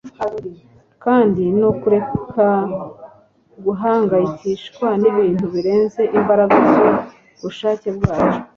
kandi ni ukureka guhangayikishwa n'ibintu birenze imbaraga z'ubushake bwacu.”